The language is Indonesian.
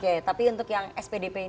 oke tapi untuk yang spdp ini